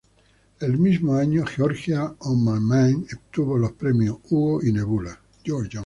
El mismo año 'Georgia on my mind' obtuvo los premios Hugo y Nebula.